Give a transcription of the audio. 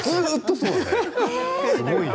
すごいな。